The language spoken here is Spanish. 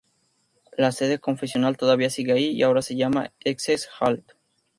La sede confesional todavía sigue ahí, y ahora se llama Essex Hall.